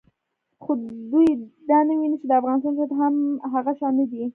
خو دوی دا نه ویني چې د افغانستان شرایط هغه شان نه دي